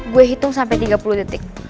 gue hitung sampai tiga puluh detik